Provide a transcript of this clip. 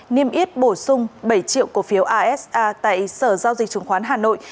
niêm yết bổ sung bảy triệu cổ phiếu asa tại sở giao dịch chứng khoán hà nội